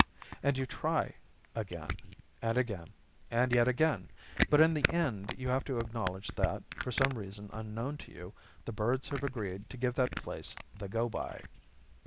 And you try again and again and yet again. But in the end you have to acknowledge that, for some reason unknown to you, the birds have agreed to give that place the go by.